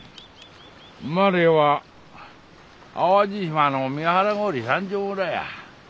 生まれは淡路島の三原郡三条村や。